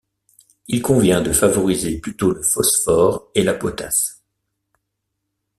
Il convient de favoriser plutôt le phosphore et la potasse.